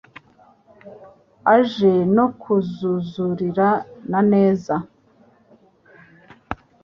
Aje no kuzuzurira na neza